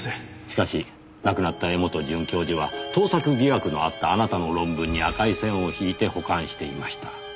しかし亡くなった柄本准教授は盗作疑惑のあったあなたの論文に赤い線を引いて保管していました。